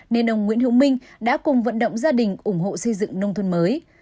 nên ông nguyễn hữu minh đã cùng vận động gia đình ủng hộ xây dựng nông thôn mới